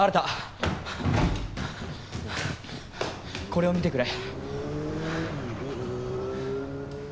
これを見てくれ。